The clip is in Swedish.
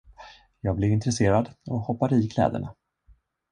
Jag blev intresserad och hoppade i kläderna.